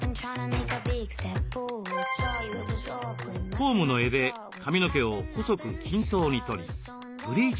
コームの柄で髪の毛を細く均等に取りブリーチ